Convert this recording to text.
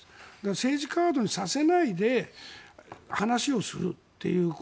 政治カードにさせないで話をするという。